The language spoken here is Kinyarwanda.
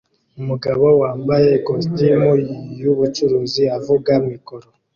Umugabo wambaye ikositimu yubucuruzi avuga mikoro